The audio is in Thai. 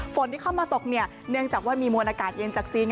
ฝนที่เข้ามาตกเนื่องจากว่ามีมวลอากาศเย็นจากจีน